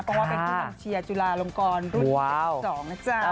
เพราะว่าเป็นคนที่เชียร์จุฬาลงกรรุ่น๑๒นะจ้า